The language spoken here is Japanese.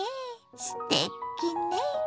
すてきね！